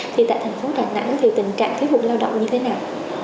thì tại tp đà nẵng thì tình trạng thiếu hút lao động như thế nào